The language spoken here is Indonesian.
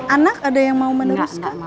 anak ada yang mau meneruskan